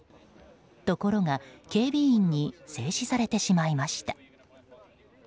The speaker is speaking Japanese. ところが警備員に制止されてしまいました。